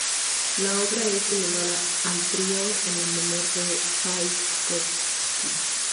La obra es similar al trío en la menor de Chaikovski.